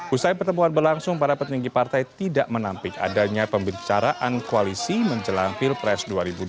usai pertemuan berlangsung para petinggi partai tidak menampik adanya pembicaraan koalisi menjelang pilpres dua ribu dua puluh